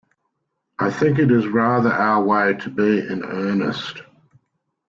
I think it is rather our way to be in earnest.